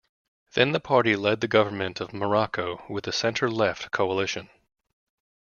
Then the party led the government of Morocco with a centre-left coalition.